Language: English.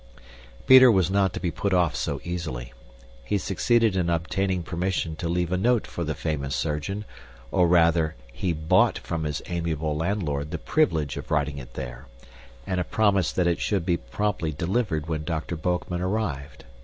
Peter was not to be put off so easily. He succeeded in obtaining permission to leave a note for the famous surgeon, or rather, he BOUGHT from his amiable landlord the privilege of writing it there, and a promise that it should be promptly delivered when Dr. Boekman arrived.